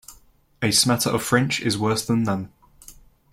A smatter of French is worse than none.